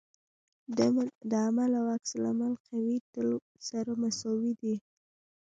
د عمل او عکس العمل قوې تل سره مساوي دي.